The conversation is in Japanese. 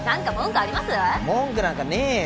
文句なんかねえよ！